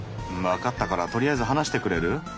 わかったからとりあえず離してくれる？